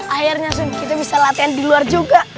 akhirnya kita bisa latihan di luar juga